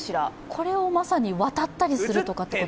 これをまさに渡ったりするってこと？